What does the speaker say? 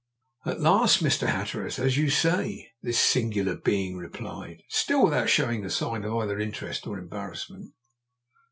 "At last, Mr. Hatteras, as you say," this singular being replied, still without showing a sign of either interest or embarrassment.